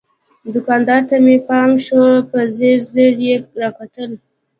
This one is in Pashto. دوکاندار ته مې پام شو، په ځیر ځیر یې را کتل.